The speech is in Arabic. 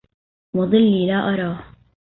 وظلي لا أراه